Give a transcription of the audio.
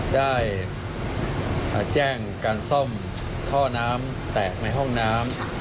ได้แจ้งการซ่อมท่อน้ำแตกในห้องน้ำ